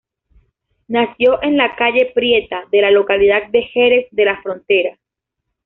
Nació en la calle Prieta de la localidad de Jerez de la Frontera.